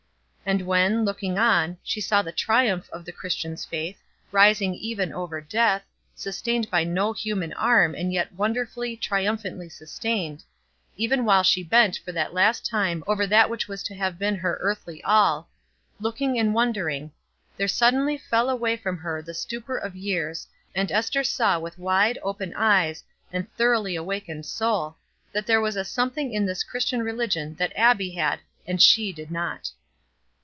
And when, looking on, she saw the triumph of the Christian's faith, rising even over death, sustained by no human arm, and yet wonderfully, triumphantly sustained, even while she bent for the last time over that which was to have been her earthly all looking and wondering, there suddenly fell away from her the stupor of years, and Ester saw with wide, open eyes, and thoroughly awakened soul, that there was a something in this Christian religion that Abbie had and she had not.